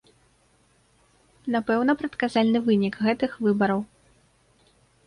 Напэўна, прадказальны вынік гэтых выбараў.